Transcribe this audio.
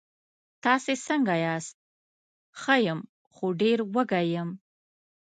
تاسې څنګه یاست؟ ښه یم، خو ډېر وږی یم.